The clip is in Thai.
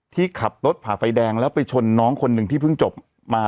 ที่ขับรถผ่าไฟแดงแล้วไปชนน้องคนหนึ่งที่เพิ่งจบมา